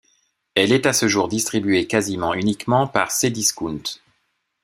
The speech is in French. Elle est à ce jour distribuée quasiment uniquement par Cdiscount.